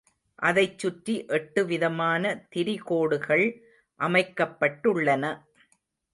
அதைச் சுற்றி எட்டு விதமான திரிகோடுகள் அமைக்கப்பட்டுள்ளன.